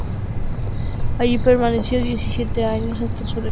Allí permaneció diecisiete años hasta su regreso a España a finales de los cincuenta.